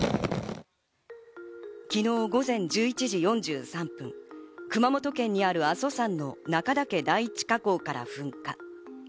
昨日午前１１時４３分、熊本県にある阿蘇山の中岳第一火口から噴火。